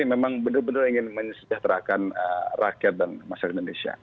memang benar benar ingin menyejahterakan rakyat dan masyarakat indonesia